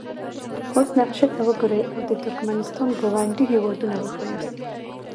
اوس نقشې ته وګورئ او د ترکمنستان ګاونډي هیوادونه وښایاست.